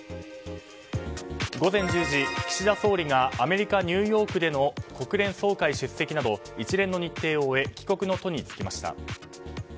午前１０時、岸田総理がアメリカ・ニューヨークでの国連総会出席など一連の日程を終え帰国の途に就きました。